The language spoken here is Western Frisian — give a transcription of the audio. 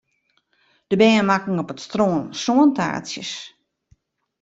De bern makken op it strân sântaartsjes.